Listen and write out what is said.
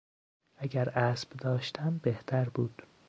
اگر اسب داشتم بهتر بود.